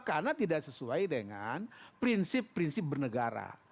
karena tidak sesuai dengan prinsip prinsip bernegara